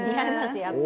やっぱり。